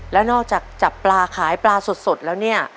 แล้วนอกจากจับปลาขายปลาสดแล้วเนี่ย